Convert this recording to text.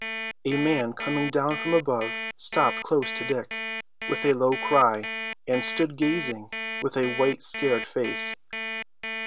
A man coming down from above stopped close to Dick, with a low cry, and stood gazing with a white scared face.